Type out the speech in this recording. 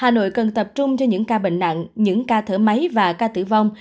hà nội cần tập trung cho những ca bệnh nặng những ca thở máy và ca tử vong